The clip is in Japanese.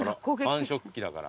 繁殖期か。